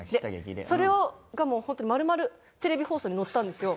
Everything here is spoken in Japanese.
それが本当丸々テレビ放送にのったんですよ。